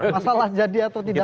masalah jadi atau tidak